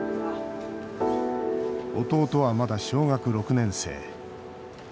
弟はまだ小学６年生。